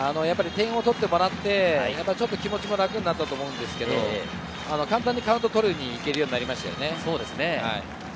やっぱり点を取ってもらって、ちょっと気持ちも楽になったと思うんですけれど、簡単にカウントを取りにいけるようになりましたよね。